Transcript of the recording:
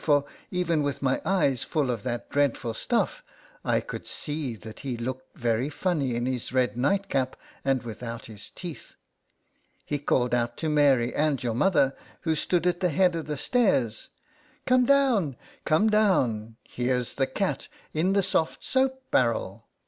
67 for even with my eyes full of that dreadful stuff, I could see that he looked very funny in his red night cap, and without his teeth. He called out to Mary, and your mother, who stood at the head of the .stairs, " Come down, come down ; here's the cat 'in the soft soap barrel